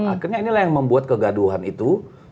akhirnya inilah yang membuat kegaduhan itu